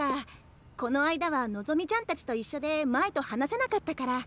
このあいだはのぞみちゃんたちと一緒で舞と話せなかったから。